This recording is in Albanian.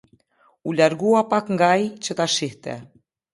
U largua pak nga ai, që ta shihte.